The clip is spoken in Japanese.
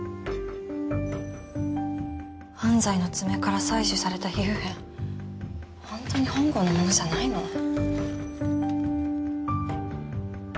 安西の爪から採取された皮膚片ホントに本郷のものじゃないの？